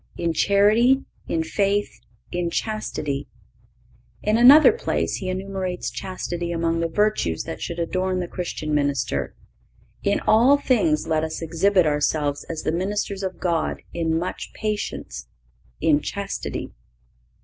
in charity, in faith, in chastity."(521) In another place, he enumerates chastity among the virtues that should adorn the Christian minister: "In all things let us exhibit ourselves as the ministers of God in much patience, ... in chastity."